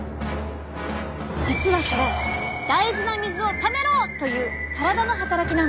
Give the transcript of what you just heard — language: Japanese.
実はこれ大事な水をためろ！という体の働きなんです。